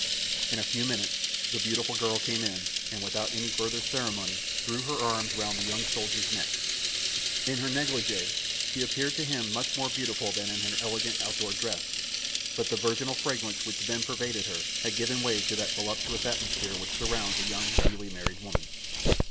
In a few minutes, the beautiful girl came, in, and without any further ceremony, threw her arms round the young soldier's neck. In her negligée, she appeared to him much more beautiful than in her elegant outdoor dress, but the virginal fragrance which then pervaded her, had given way to that voluptuous atmosphere which surrounds a young newly married woman.